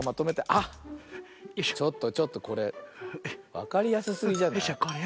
あっちょっとちょっとこれわかりやすすぎじゃない？